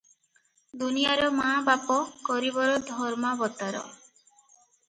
ଦୁନିଆଁର ମା' ବାପ, ଗରିବର ଧର୍ମାବତାର ।